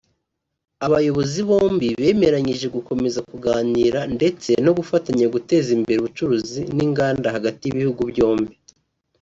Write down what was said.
Abayobozi bombi bemeranyije gukomeza kuganira ndetse no gufatanya guteza imbere ubucuruzi n’inganda hagati y’ibihugu byombi